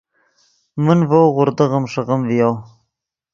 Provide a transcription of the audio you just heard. من ڤؤ غوردغیم ݰیغیم ڤیو